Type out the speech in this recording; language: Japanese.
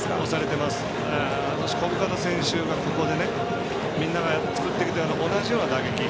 小深田選手がここでみんなが作ってきたのと同じような打撃。